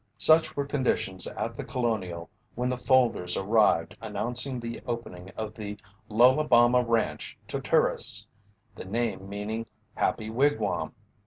Such were conditions at The Colonial when the folders arrived announcing the opening of the Lolabama Ranch to tourists the name meaning Happy Wigwam.